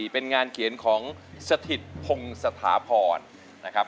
เป็นงานเขียนของสถิตพงศถาพรนะครับ